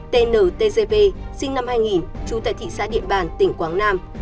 tntgp sinh năm hai nghìn trú tại thị xã điện bàn tỉnh quảng nam